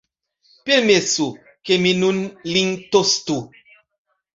Permesu, ke mi nun lin tostu!